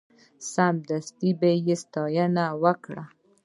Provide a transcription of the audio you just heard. سمدستي به یې ستاینه وکړه.